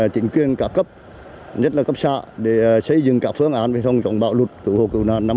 trịnh quyền cả cấp nhất là cấp xã để xây dựng cả phương án về phòng chống bạo lụt cử hộ cử nạn năm hai nghìn hai mươi một